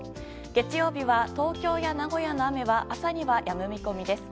月曜日は東京や名古屋の雨は朝には、やむ見込みです。